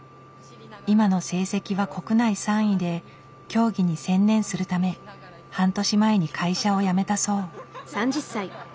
今の成績は国内３位で競技に専念するため半年前に会社を辞めたそう。